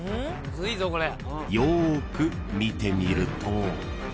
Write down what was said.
［よーく見てみると］